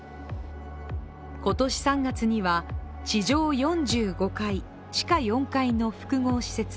今年３月には、地上４５階、地下４階の複合施設